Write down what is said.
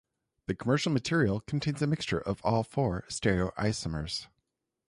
The commercial material contains a mixture of all four stereoisomers.